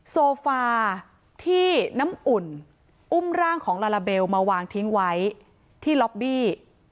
โซฟาที่น้ำอุ่นอุ้มร่างของลาลาเบลมาวางทิ้งไว้ที่ล็อบบี้